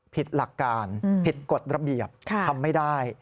ผิดหลักการผิดกฎระเบียบทำไม่ได้